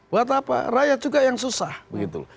buat apa rakyat juga yang susah begitu